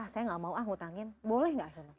saya gak mau a hutangin boleh gak